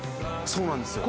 そうなんですよ。